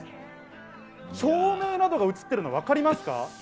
照明などが映ってるの、分かりますか？